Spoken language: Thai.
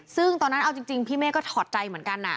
ซึ่งตอนนั้นเอาจริงพี่เมฆก็ถอดใจเหมือนกัน